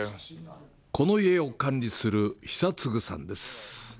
この家を管理する久継さんです。